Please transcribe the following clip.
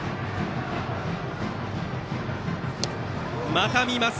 また見ます。